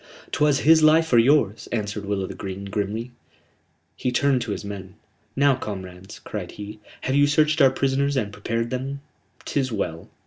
"'Twas his life or yours," answered Will o' th' Green, grimly. He turned to his men. "Now, comrades," cried he, "have you searched our prisoners and prepared them? 'Tis well.